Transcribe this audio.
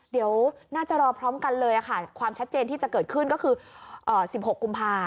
เดี๋ยวน่าจะรอพร้อมกันเลยค่ะความชัดเจนที่จะเกิดขึ้นก็คือ๑๖กุมภา